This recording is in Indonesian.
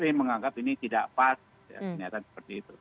jadi saya menganggap ini tidak pas ya kenyataan seperti itu